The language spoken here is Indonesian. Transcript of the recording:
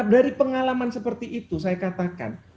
dari pengalaman seperti itu saya katakan